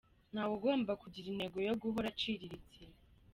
Ntawe ugomba kugira intego yo guhora aciriritse.